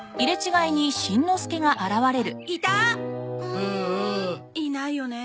ううん。いないよね。